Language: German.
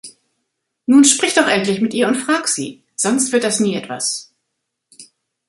Nun sprich doch endlich mit ihr und frag sie! Sonst wird das nie etwas.